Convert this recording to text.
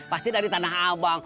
pasti dari tanah abang